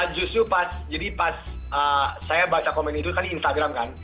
justru pas jadi pas saya baca komen itu kan di instagram kan